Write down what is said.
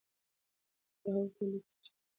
راورټي ليکي چې په يوه شپه کې ډېر کسان ووژل شول.